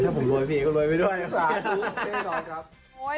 ถ้าผมรวยพี่เอก็รวยไปด้วย